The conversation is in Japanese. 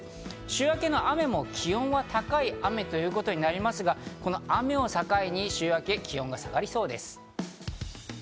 週明けの雨も気温は高い雨ということになりますが、この雨を境に週明け、気温が下がりそうです。